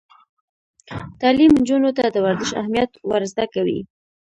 تعلیم نجونو ته د ورزش اهمیت ور زده کوي.